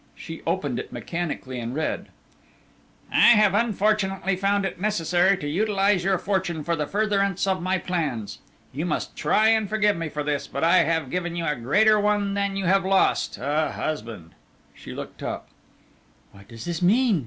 She opened it mechanically and read: "I have, unfortunately, found it necessary to utilize your fortune for the furtherance of my plans. You must try and forgive me for this; but I have given you a greater one than you have lost, a husband." She looked up. "What does this mean?"